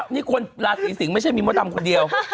นี่คนราศีสิงศ์ไม่ใช่มีมดดำคนเดียว